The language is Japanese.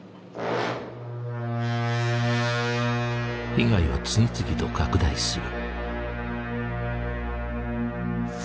被害は次々と拡大する。